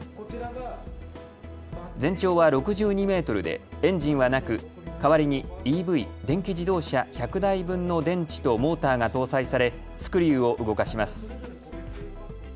全長は６２メートルでエンジンはなく代わりにＥＶ・電気自動車１００台分の電池とモーターが搭載されスクリューを動かします。